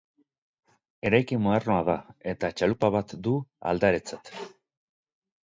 Eraikin modernoa da, eta txalupa bat du aldaretzat.